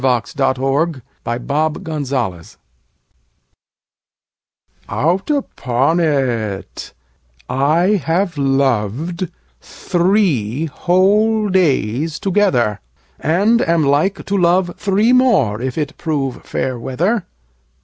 The Constant Lover OUT upon it, I have loved Three whole days together! And am like to love three more, If it prove fair weather.